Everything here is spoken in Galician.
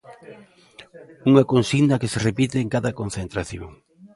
Unha consigna que se repite en cada concentración.